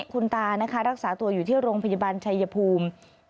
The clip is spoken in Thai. คุณตานะคะรักษาตัวอยู่ที่โรงพยาบาลชัยภูมิ